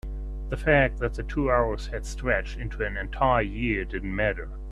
the fact that the two hours had stretched into an entire year didn't matter.